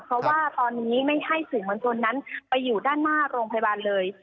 เพราะว่าตอนนี้ไม่ให้สื่อมวลชนนั้นไปอยู่ด้านหน้าโรงพยาบาลเลย